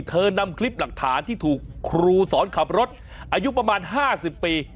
นำคลิปหลักฐานที่ถูกครูสอนขับรถอายุประมาณ๕๐ปี